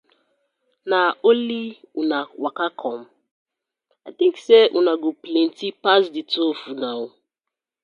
Na only una waka com? I tink say una go plenty pass di two of una.